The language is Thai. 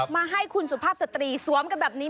มาให้คุณสุภาพสตรีสวมกันแบบนี้